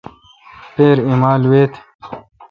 پپرہ ایمال ویت۔